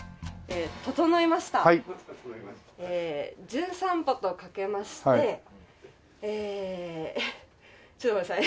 『じゅん散歩』とかけましてえちょっと待ってください。